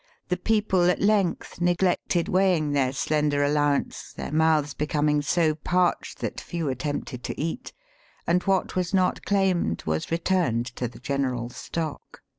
The people at length neglected weighing their slender allowance, their mouths be coming so parched that few attempted to eat; and what was not claimed, was returned to the general stock."